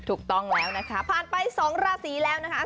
ถูกต้องแล้วนะคะผ่านไป๒ราศีแล้วนะคะ